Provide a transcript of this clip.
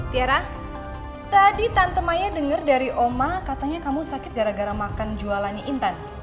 tiara tadi tante maya dengar dari oma katanya kamu sakit gara gara makan jualannya intan